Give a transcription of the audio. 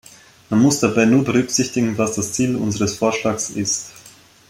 Man muss dabei nur berücksichtigen, was das Ziel unseres Vorschlags ist.